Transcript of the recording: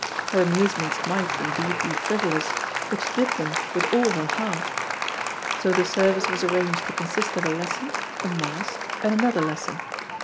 Her amusements might, indeed, be frivolous, but she did them with all her heart. So the service was arranged to consist of a lesson, a Mass, and another lesson.